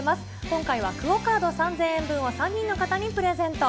今回はＱＵＯカード３０００円分を３人の方にプレゼント。